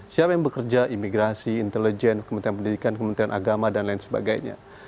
siapa yang bekerja imigrasi intelijen kementerian pendidikan kementerian agama dan lain sebagainya